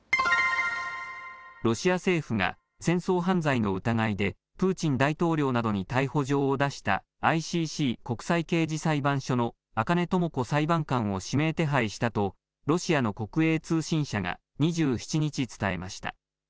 ロシア政府が戦争犯罪の疑いでプーチン大統領などに逮捕状を出したＩＣＣ、国際刑事裁判所の赤根智子裁判官を指名手配したとロシアの国営通信社が２７日、伝えました。